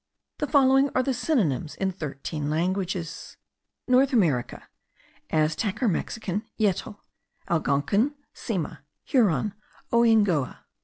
The following are the synonyms in thirteen languages. North America. Aztec or Mexican; yetl: Algonkin; sema: Huron; oyngoua.